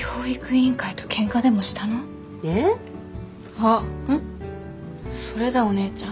あっそれだお姉ちゃん。